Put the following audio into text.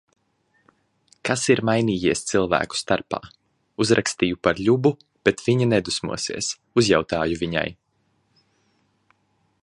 Kas ir mainījies cilvēku starpā? Uzrakstīju par Ļubu, bet viņa nedusmosies. Uzjautāju viņai.